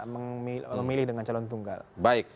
memilih dengan calon tunggal